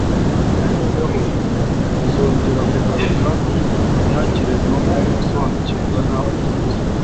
noneho yazongera kugaruka ntihagire n'umwe usobanukirwa n'aho aturutse.